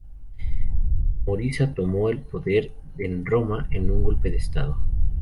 Marozia tomó el poder en Roma en un golpe de Estado.